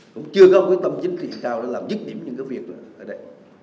cũng chưa có một tầm chính trị cao để làm dứt điểm những cái việc ở đây